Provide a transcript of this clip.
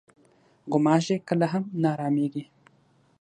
غوماشې کله هم نه ارامېږي.